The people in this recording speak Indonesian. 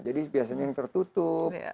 jadi biasanya yang tertutup